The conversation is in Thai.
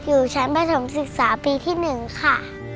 อยู่ชั้นประถมศึกษาปีที่๑ค่ะ